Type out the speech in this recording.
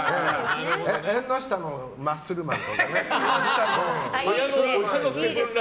縁の下のマッスルマンとかね。